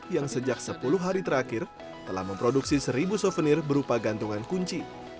yang sejak sepuluh hari terakhir telah memproduksi seribu souvenir berupa gantungan kunci